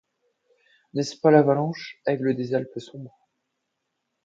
N'est-ce pas l'avalanche, aigle des Alpes sombres ?